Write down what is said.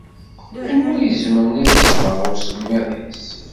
Anwa izemren ad iṣber i usemmiḍ-is?